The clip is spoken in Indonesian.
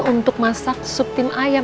untuk masak sup tim ayam